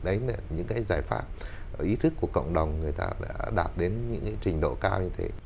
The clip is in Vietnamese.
đấy là những cái giải pháp ý thức của cộng đồng người ta đã đạt đến những cái trình độ cao như thế